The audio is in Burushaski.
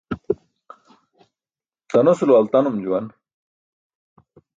Tanosulo altanum juwan.